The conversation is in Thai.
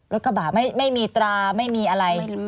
กระบะไม่มีตราไม่มีอะไร